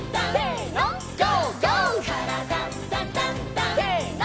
「からだダンダンダン」せの！